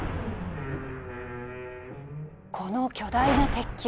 この巨大な鉄球。